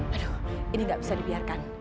aduh ini gak bisa dibiarkan